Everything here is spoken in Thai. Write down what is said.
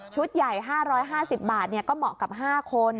ใหญ่๕๕๐บาทก็เหมาะกับ๕คน